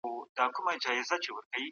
ایا ځايي کروندګر وچ انار ساتي؟